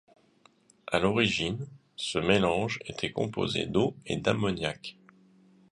À l'origine, ce mélange était composé d'eau et d'ammoniac.